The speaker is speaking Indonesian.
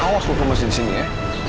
ucap ucap tunggu